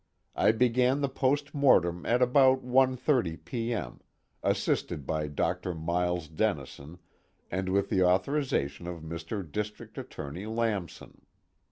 I began the post mortem at about 1:30 P.M., assisted by Dr. Miles Dennison and with the authorization of Mr. District Attorney Lamson.